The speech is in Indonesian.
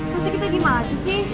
mesti kita di malacis sih